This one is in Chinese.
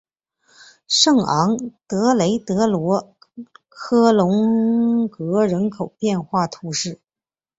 圣昂德雷德罗科龙格人口变化图示